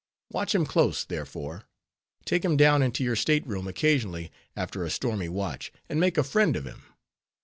Watch him close, therefore; take him down into your state room occasionally after a stormy watch, and make a friend of him.